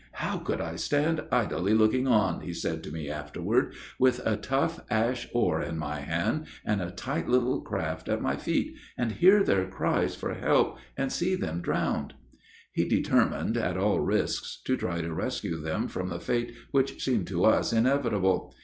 "How could I stand idly looking on," he said to me afterward, "with a tough ash oar in my hand, and a tight little craft at my feet, and hear their cries for help, and see them drowned?" He determined, at all risks, to try to rescue them from the fate which seemed to us inevitable.